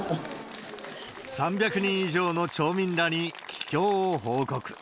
３００人以上の町民らに帰郷を報告。